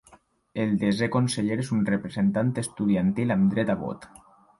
El desè conseller és un representant estudiantil amb dret a vot.